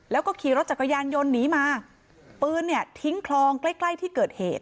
แล้วก็ขี่รถจักรยานยนต์หนีมาปืนเนี่ยทิ้งคลองใกล้ใกล้ที่เกิดเหตุ